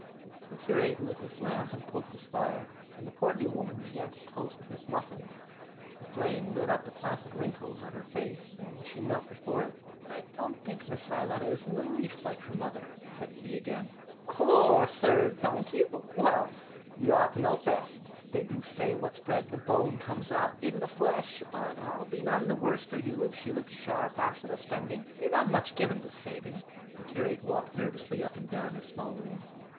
"' The curate lit his lamp and poked his fire, and the portly woman began to toast his muffins. The flame lit up the placid wrinkles of her face as she knelt before it: 'But I don't think Miss Violetta is in the least like her mother,' said he again. 'Lor' sir, don't you? Well, you ought to know best. They do say what's bred in the bone comes out in the flesh; but it'll be none the worse for you if she looks sharp after the spending. You're not much given to saving.' The curate walked nervously up and down his small room.